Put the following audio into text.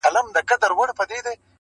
له اسمان مي ګيله ده.!